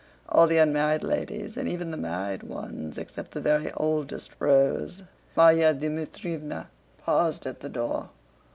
All the unmarried ladies and even the married ones except the very oldest rose. Márya Dmítrievna paused at the door.